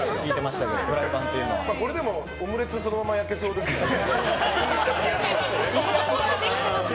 これでもオムレツそのまま焼けそうですね。